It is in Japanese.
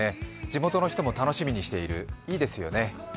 地元の人も楽しみにしている、いいですよね。